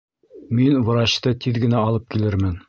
Мин врачты тиҙ генә алып килермен